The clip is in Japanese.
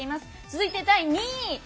続いて第２位！